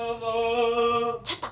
ちょっと！